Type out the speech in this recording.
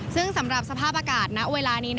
ซึ่งสำหรับสภาพอากาศณเวลานี้